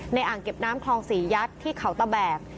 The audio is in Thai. อ่างเก็บน้ำคลองศรียัดที่เขาตะแบก